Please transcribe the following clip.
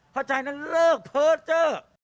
ถ้าใจนั้นเลิกเพิดเจ้อ